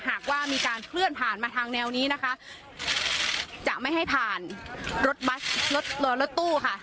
หากว่ามีการเคลื่อนผ่านมาทางแนวนี้นะคะจะไม่ให้ผ่านรถบัสรถตู้ค่ะ